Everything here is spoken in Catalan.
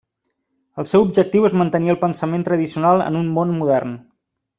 El seu objectiu és mantenir el pensament tradicional en un món modern.